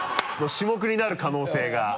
種目になる可能性が。